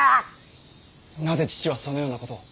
なぜ父はそのようなことを。